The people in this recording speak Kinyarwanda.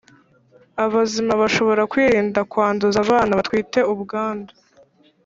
abazima Bashobora kwirinda kwanduza abana batwite ubwandu